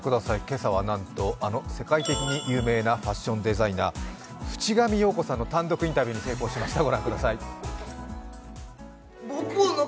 今朝はなんと、あの世界的に有名なファッションデザイナー、ＹＯＫＯＦＵＣＨＩＧＡＭＩさんの単独インタビューに成功しました。